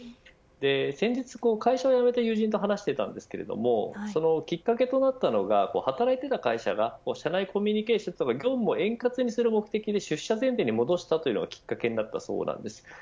先日会社を辞めた友人と話していたんですがきっかけとなったのが働いていた会社が社内コミュニケーションを円滑にする目的で出社前提に戻したということがきっかけだそうです。